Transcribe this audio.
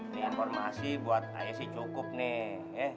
nih akormasi buat saya sih cukup nih